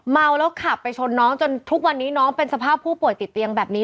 เมาแล้วขับไปชนน้องจนทุกวันนี้น้องเป็นสภาพผู้ป่วยติดเตียงแบบนี้